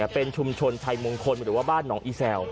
เป็นชุมชนชัยมงคลหรือว่าบ้านหนองอีแซว